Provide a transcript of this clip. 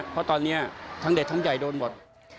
เพราะตอนนี้ทั้งเด็กทั้งใหญ่โดนหมด